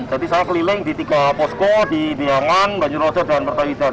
jadi saya keliling di tiga posko di niangan banjurosa dan bumerta yudan